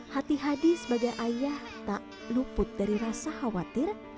hati hadi sebagai ayah tak luput dari rasa khawatir